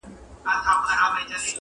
کليوال خلک د موضوع په اړه ډيري خبري کوي,